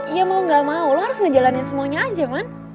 ya mau gak mau lo harus ngejalanin semuanya aja man